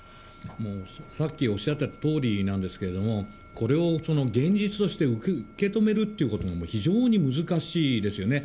さっきおっしゃったとおりなんですけども、これを現実として受け止めるってことも非常に難しいですよね。